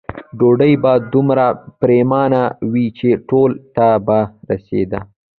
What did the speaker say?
ډوډۍ به دومره پریمانه وه چې ټولو ته به رسېده.